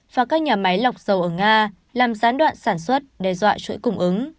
và các nhà máy lọc dầu ở nga làm gián đoạn sản xuất đe dọa chuỗi cung ứng